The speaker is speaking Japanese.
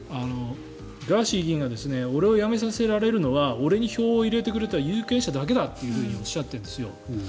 ガーシー議員が俺を辞めさせられるのは俺に票を入れてくれた有権者だけだとおっしゃっているんですよ。